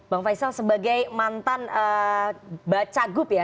bang faisal sebagai mantan bacagub ya